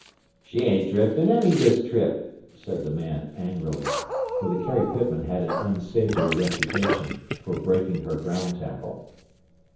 "She ain't driftin' any this trip," said the man angrily, for the Carrie Pitman had an unsavory reputation for breaking her ground tackle.